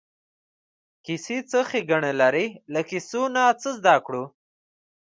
کیسې څه ښېګڼې لري له کیسو نه څه زده کوو.